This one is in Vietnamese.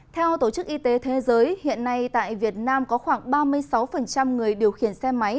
theo tổ chức y tế thế giới hiện nay tại việt nam có khoảng ba mươi sáu người điều khiển xe máy